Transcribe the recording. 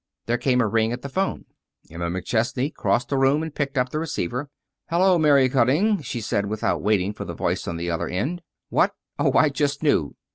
There came a ring at the 'phone. Emma McChesney crossed the room and picked up the receiver. "Hello, Mary Cutting," she said, without waiting for the voice at the other end. "What? Oh, I just knew.